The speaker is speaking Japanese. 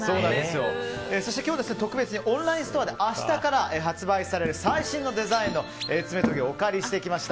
そして今日特別にオンラインストアで明日から発売される最新のデザインの爪とぎをお借りしてきました。